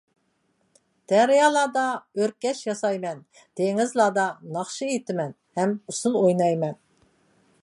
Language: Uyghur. دەريالاردا ئۆركەش ياسايمەن، دېڭىزلاردا ناخشا ئېيتىمەن ھەم ئۇسسۇل ئوينايمەن.